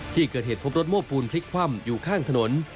ที่เกิดเหตุพบรถโม้ปูนพลิกคว่ำอยู่ข้างถนน